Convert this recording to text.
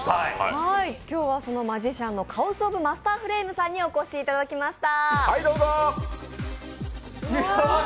今日はそのマジシャンのカオスオブマスターフレイムさんにお越しいただきました。